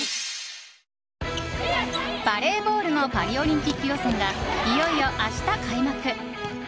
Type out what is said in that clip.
バレーボールのパリオリンピック予選がいよいよ明日開幕。